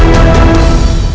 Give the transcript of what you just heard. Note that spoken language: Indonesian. mayan sudah selesai